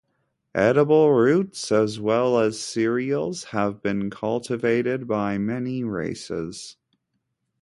Edible roots as well as cereals have been cultivated by many races.